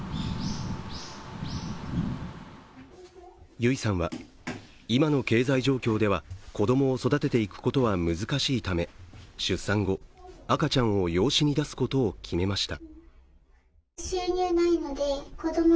ゆいさんは今の経済状況では子供を育てていくことは難しいため出産後、赤ちゃんを養子に出すことを決めました。